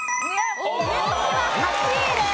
梅干しは８位です。